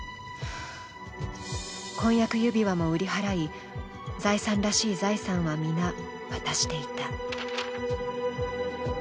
婚約指輪も売り払い、財産らしい財産は、皆渡していた。